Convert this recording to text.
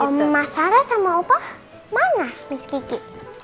oma sarah sama opah mana miss kiki